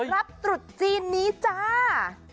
ตรุษจีนนี้จ้า